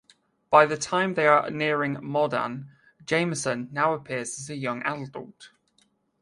By the time they are nearing Mordan, Jameson now appears as a young adult.